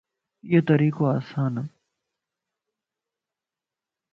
ايو طريقو آسان ا